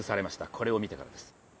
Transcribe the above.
これを見てからです。